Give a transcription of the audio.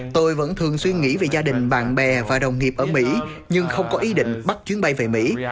tôi vẫn thường xuyên nghĩ về gia đình bạn bè và đồng nghiệp ở mỹ nhưng không có ý định bắt chuyến bay về mỹ